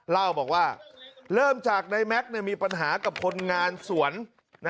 เล่าบอกว่าเริ่มจากนายแม็กซ์มีปัญหากับคนงานสวน